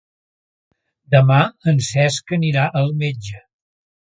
Demà en Cesc anirà al metge.